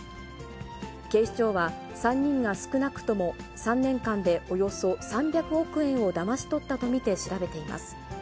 警視庁は、３人が少なくとも３年間でおよそ３００億円をだまし取ったと見て調べています。